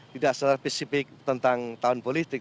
tidak secara spesifik tentang tahun politik